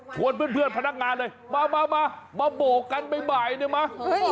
ชวนเพื่อนพนักงานเลยมามาโบกกันใหม่นึกมั้ย